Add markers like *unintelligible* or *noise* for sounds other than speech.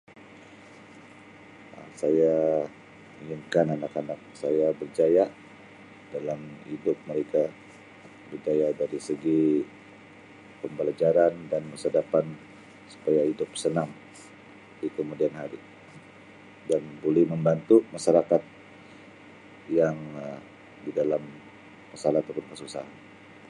Um Saya inginkan anak-anak saya berjaya dalam hidup mereka berjaya dari segi pembelajaran dan masa dapan supaya hidup senang dikemudian hari dan boleh membantu masyarakat yang Um di dalam masalah *unintelligible* kesusahan.